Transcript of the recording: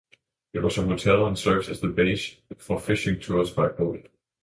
It has a hotel and serves as a base for fishing tours by boat.